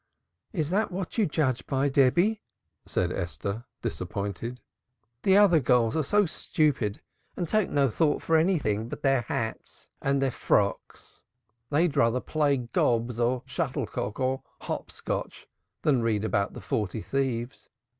"Is that what you judge by, Debby?" said Esther, disappointed. "The other girls are so stupid and take no thought for anything but their hats and their frocks. They would rather play gobs or shuttlecock or hopscotch than read about the 'Forty Thieves.'